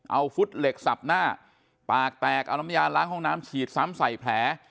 เอาฟุตเหล็กสับหน้าปากแตกเอาน้ำยาล้างห้องน้ำฉีดซ้ำใส่แผล